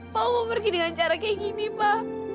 saya akan pergi dengan cara seperti ini pak